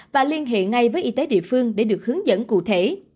và liên hệ ngay với y tế địa phương để được hướng dẫn cụ thể